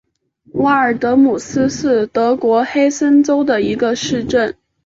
瓦尔德姆斯是德国黑森州的一个市镇。